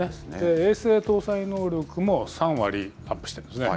衛星搭載能力も３割アップしているんですね。